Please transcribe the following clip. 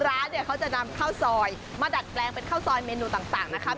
ร้านเนี่ยเขาจะนำข้าวซอยมาดัดแปลงเป็นข้าวซอยเมนูต่างนะครับ